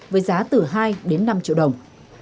với giá từ hai đến năm triệu đồng